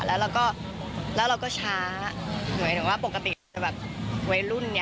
แล้วเราก็ช้าหมายถึงว่าปกติจะแบบวัยรุ่น